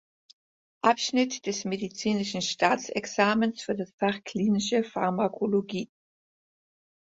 Abschnitt des medizinischen Staatsexamens für das Fach Klinische Pharmakologie.